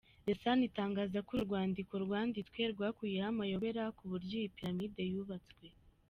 The Sun itangaza ko uru rwandiko rwanditswe rwakuyeho amayobera ku buryo iyi pyramid yubatswe.